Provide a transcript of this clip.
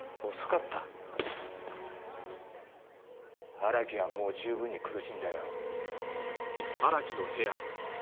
荒木はもう十分に苦しんだよ。